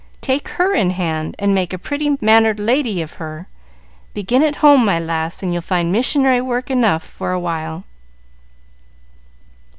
Take her in hand, and make a pretty mannered lady of her. Begin at home, my lass, and you'll find missionary work enough for a while."